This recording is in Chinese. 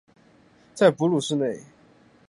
在哺乳室内